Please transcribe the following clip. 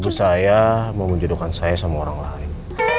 itu saya mau menjodohkan saya sama orang lain